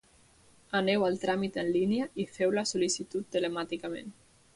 Aneu al tràmit en línia i feu la sol·licitud telemàticament.